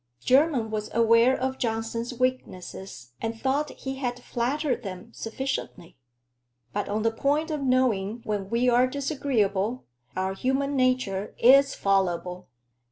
Jermyn was aware of Johnson's weaknesses, and thought he had flattered them sufficiently. But on the point of knowing when we are disagreeable, our human nature is fallible.